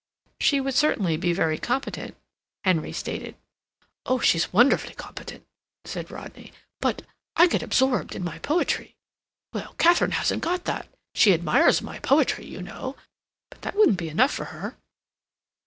"She would certainly be very competent," Henry stated. "Oh, she's wonderfully competent," said Rodney. "But—I get absorbed in my poetry. Well, Katharine hasn't got that. She admires my poetry, you know, but that wouldn't be enough for her?"